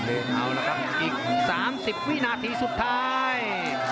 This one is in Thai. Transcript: เอาละครับอีก๓๐วินาทีสุดท้าย